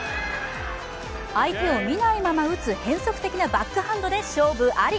相手を見ないまま打つ変則的なバックハンドで勝負あり。